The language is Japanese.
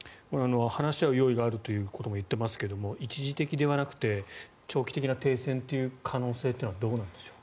話し合う用意があるということも言っていますが一時的ではなくて長期的な停戦という可能性はどうなんでしょうか。